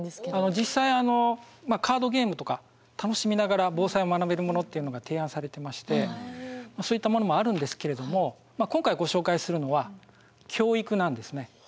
実際カードゲームとか楽しみながら防災を学べるものっていうのが提案されてましてそういったものもあるんですけれども今回ご紹介するのは教育？